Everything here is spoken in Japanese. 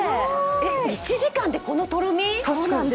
１時間でこのとろみ？